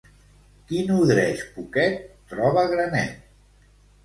Qui nodreix poquet, troba granet.